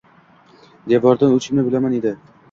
Devordan o‘tishimni bilaman edi